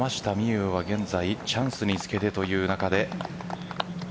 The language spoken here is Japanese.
有は現在チャンスにつけてという中で。